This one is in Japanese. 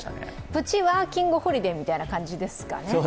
プチワーキングホリデーみたいな感じですかね。